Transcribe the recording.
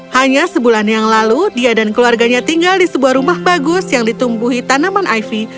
hanya sebulan yang lalu dia dan keluarganya tinggal di sebuah rumah bagus yang ditumbuhi tanaman ivy